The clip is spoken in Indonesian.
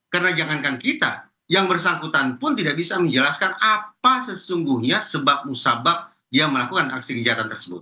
karena jangankan kita yang bersangkutan pun tidak bisa menjelaskan apa sesungguhnya sebab musabak dia melakukan aksi kejahatan tersebut